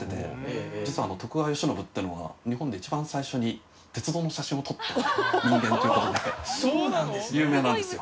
実は徳川慶喜っていうのが日本で一番最初に鉄道の写真を撮った人間という事で有名なんですよ。